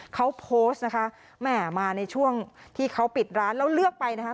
เขาโพสต์นะคะแหม่มาในช่วงที่เขาปิดร้านแล้วเลือกไปนะคะ